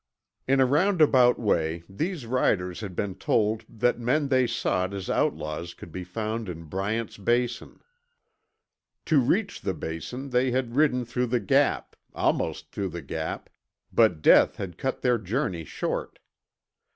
In a roundabout way, these riders had been told that men they sought as outlaws could be found in Bryant's Basin. To reach the Basin they had ridden through the Gap almost through the Gap but Death had cut their journey short.